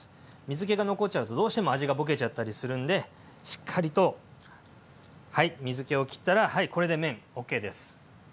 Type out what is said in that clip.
水けが残っちゃうとどうしても味がボケちゃったりするんでしっかりとはい水けをきったらこれで麺ＯＫです。